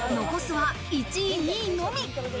残すは１位、２位のみ。